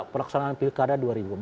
pelaksanaan pilkada dua ribu empat belas